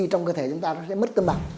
trong cơ thể chúng ta nó sẽ mất cân bằng